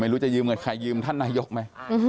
ไม่รู้จะยืมเหมือนใครยืมท่านนายกหรอค่ะ